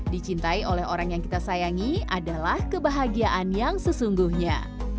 dicintai oleh orang yang kita sayangi adalah kebahagiaan yang sesungguhnya